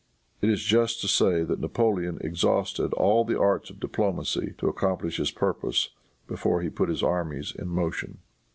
It is just to say that Napoleon exhausted all the arts of diplomacy to accomplish his purpose before he put his armies in motion.